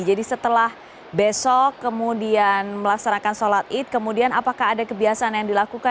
jadi setelah besok kemudian melaksanakan sholat id kemudian apakah ada kebiasaan yang dilakukan